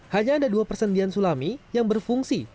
hanya ada dua persendian sulami yang berfungsi